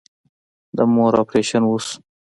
د مور اپريشن وسو.